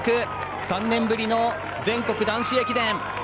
３年ぶりの全国男子駅伝。